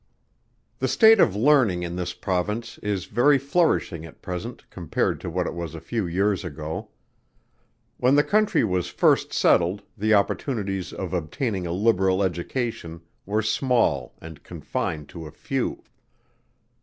_ The state of learning in this Province is very flourishing at present compared to what it was a few years ago. When the country was first settled the opportunities of obtaining a liberal education were small and confined to a few.